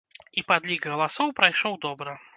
І падлік галасоў прайшоў добра.